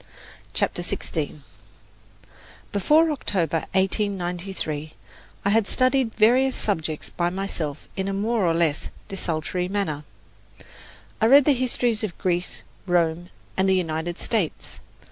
CHAPTER XVI Before October, 1893, I had studied various subjects by myself in a more or less desultory manner. I read the histories of Greece, Rome and the United States.